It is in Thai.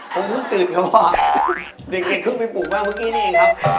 ผมพูดตื่นครับว่าเด็กขึ้นไปปลูกแม่งเมื่อกี้นี่เองครับ